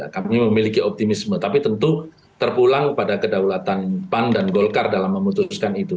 kami memiliki optimisme tapi tentu terpulang kepada kedaulatan pan dan golkar dalam memutuskan itu